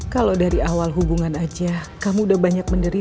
kalau dari awal hubungan aja kamu udah banyak menderita